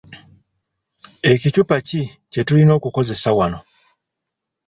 Ekicupa ki kye tulina okukozesa wano?